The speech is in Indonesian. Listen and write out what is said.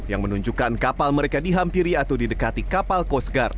yang menunjukkan kapal mereka dihampiri atau didekati kapal coast guard